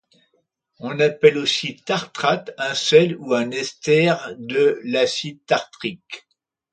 On appelle aussi tartrate un sel ou un ester de l'acide tartrique.